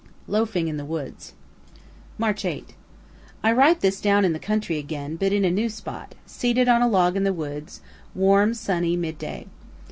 LOAFING IN THE WOODS March 8. I write this down in the country again, but in a new spot, seated on a log in the woods, warm, sunny, midday.